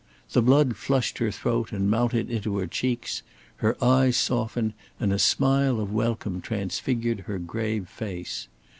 The blood flushed her throat and mounted into her cheeks, her eyes softened, and a smile of welcome transfigured her grave face.